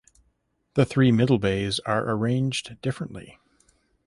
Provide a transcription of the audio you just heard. The three middle bays are arranged differently.